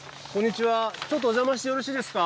ちょっとおじゃましてよろしいですか？